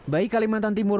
baik kalimantan timur